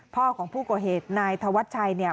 พ่อของผู้โกเหตุนายธวัชชัย